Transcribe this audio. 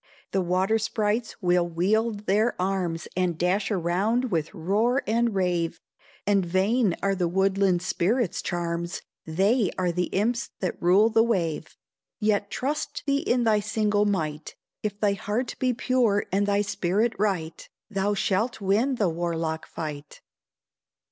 The water sprites will wield their arms And dash around, with roar and rave, And vain are the woodland spirits' charms, They are the imps that rule the wave. Yet trust thee in thy single might, If thy heart be pure and thy spirit right, Thou shalt win the warlock fight.